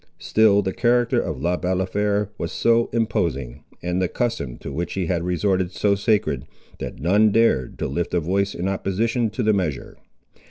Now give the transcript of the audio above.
Still the character of Le Balafré was so imposing, and the custom to which he had resorted so sacred, that none dared to lift a voice in opposition to the measure.